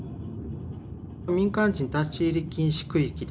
民間人立ち入り禁止区域です。